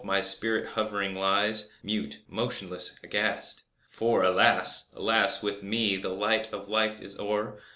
my spirit hovering lies Mute, motionless, aghast! For, alas! alas! with me The light of Life is o'er!